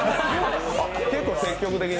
結構積極的に。